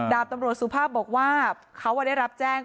ดาบตำรวจสุภาพบอกว่าเขาได้รับแจ้ง